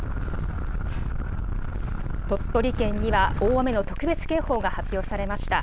鳥取県には大雨の特別警報が発表されました。